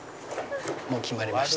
もう決まりました。